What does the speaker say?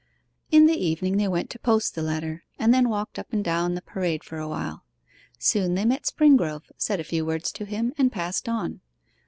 In the evening they went to post the letter, and then walked up and down the Parade for a while. Soon they met Springrove, said a few words to him, and passed on.